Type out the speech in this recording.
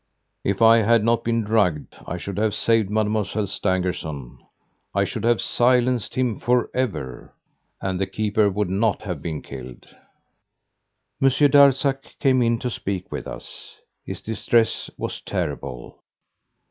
If I had not been drugged, I should have saved Mademoiselle Stangerson. I should have silenced him forever. And the keeper would not have been killed!" Monsieur Darzac came in to speak with us. His distress was terrible.